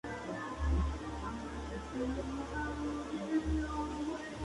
Algunas definiciones de turismo tienden a excluir a los viajes de negocios.